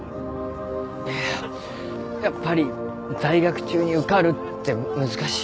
いややっぱり在学中に受かるって難しいよ。